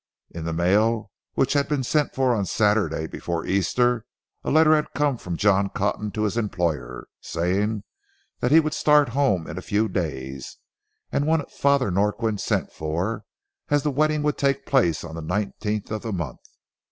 In the mail which had been sent for on Saturday before Easter, a letter had come from John Cotton to his employer, saying he would start home in a few days, and wanted Father Norquin sent for, as the wedding would take place on the nineteenth of the month.